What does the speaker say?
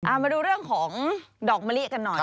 เอามาดูเรื่องของดอกมะลิกันหน่อย